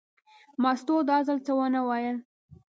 مستو دا ځل څه ونه ویل.